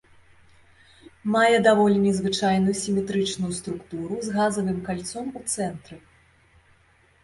Мае даволі незвычайную сіметрычную структуру з газавым кальцом у цэнтры.